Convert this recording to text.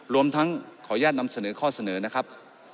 รวมทั้งขออนุญาตนำเสนอข้อเสนอนะครับ